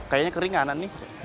kayaknya keringanan nih